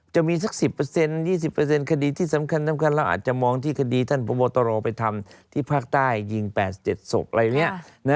จะมีสัก๑๐๒๐คดีที่สำคัญเราอาจจะมองที่คดีท่านพบตรไปทำที่ภาคใต้ยิง๘๗ศพอะไรเนี่ย